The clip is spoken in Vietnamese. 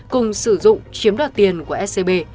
cùng sử dụng chiếm đoạt tiền của scb